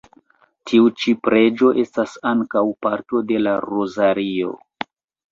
Tiu ĉi preĝo estas ankaŭ parto de la rozario.